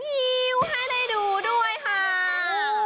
ฮิวให้ได้ดูด้วยค่ะ